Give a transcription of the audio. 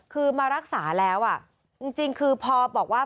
คือมารักษาแล้วจริงคือพอบอกว่า